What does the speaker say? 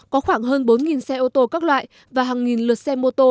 có khoảng hơn bốn xe ô tô các loại và hàng nghìn lượt xe mô tô